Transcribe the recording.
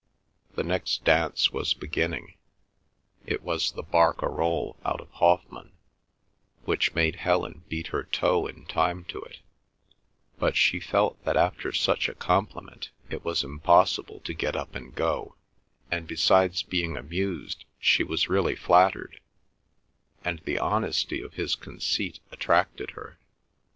The next dance was beginning; it was the Barcarolle out of Hoffman, which made Helen beat her toe in time to it; but she felt that after such a compliment it was impossible to get up and go, and, besides being amused, she was really flattered, and the honesty of his conceit attracted her.